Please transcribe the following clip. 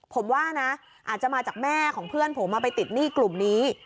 ผมว่านะอาจจะมาจากแม่ของเพื่อนผมไปติดหนี้กลุ่มนี้